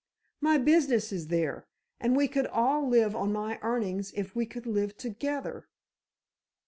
My business is there, and we could all live on my earnings if we could live together."